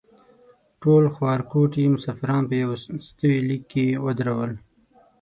ټول خوارکوټي مسافران په یوستوي لیک کې ودرول.